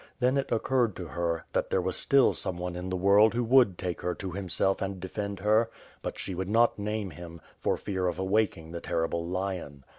Then it occurred to her, that there was still someone in the world who would take her to himself and defend her; but she would not name him, for fear of awaking the terrible lion.